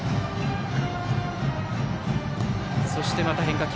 そしてまた変化球。